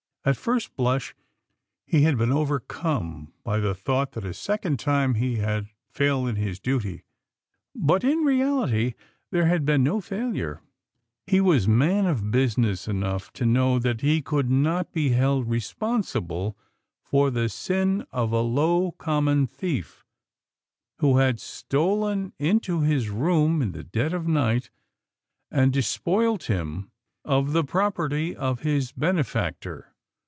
At first blush, he had been overcome by the thought that a second time he had failed in his duty, but in reality there had been no failure. He was man of business enough to know that he could not be held responsible for the sin of a low, common thief who had stolen into his room in the dead of night, and despoiled him 184 A TEDIOUS WAITING 185 of the property of his benefactor.